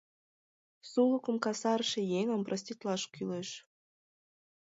— Сулыкым касарыше еҥым проститлаш кӱлеш!